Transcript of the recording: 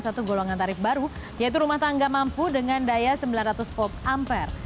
satu golongan tarif baru yaitu rumah tangga mampu dengan daya sembilan ratus volt ampere